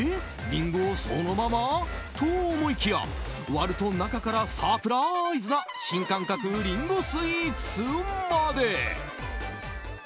リンゴをそのまま？と思いきや割ると中からサプライズな新感覚リンゴスイーツまで。